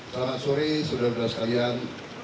selamat sore saudara saudara sekalian